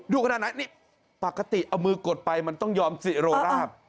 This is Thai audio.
ขนาดไหนนี่ปกติเอามือกดไปมันต้องยอมสิโรราบ